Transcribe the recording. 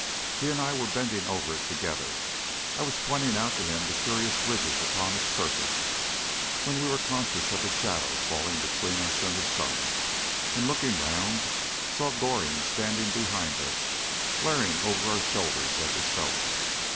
He and I were bending over it together, I pointing out to him the curious ridges upon its surface, when we were conscious of a shadow falling between us and the sun, and looking round saw Goring standing behind us glaring over our shoulders at the stone.